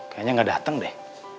kayanya gak dateng deh